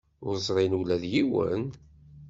Ur ẓrin ula d yiwen?